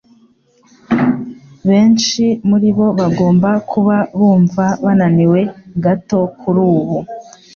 Benshi muribo bagomba kuba bumva bananiwe gato kurubu.